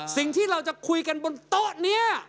สิ่งที่เราจะคุยกันบนโต๊ะนี้